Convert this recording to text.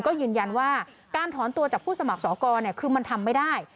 ก็ยืนยันว่าการถอนตัวจากผู้สมัครสอกรคือมันทำไม่ได้